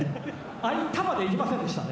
「あいた！」までいきませんでしたね。